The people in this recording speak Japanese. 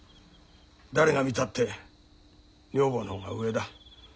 誰が見たって女房の方が上だ。